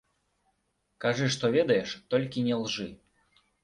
Кажы што ведаеш, толькі не лжы.